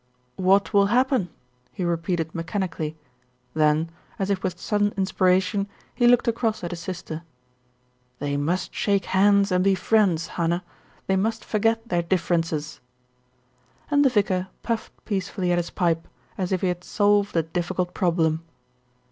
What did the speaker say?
"What will happen?" he repeated mechanically, then, as if with sudden inspiration, he looked across at his sister. "They must shake hands and be friends, Hannah, they must forget their differences," and the vicar puffed peacefully at his pipe, as if he had solved a difficult problem.